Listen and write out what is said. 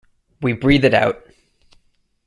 We breathe it out.